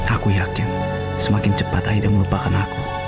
aku yakin semakin cepat aida melupakan aku